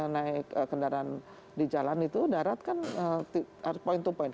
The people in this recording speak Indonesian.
kalau naik ini naik kendaraan di jalan itu darat kan harus point to point